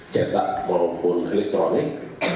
cetak maupun elektronik